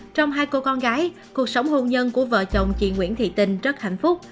trong hai cô con gái cuộc sống hôn nhân của vợ chồng chị nguyễn thị tình rất hạnh phúc